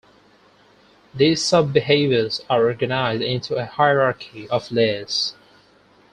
These sub-behaviors are organized into a hierarchy of layers.